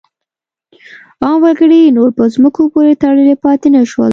عام وګړي نور په ځمکو پورې تړلي پاتې نه شول.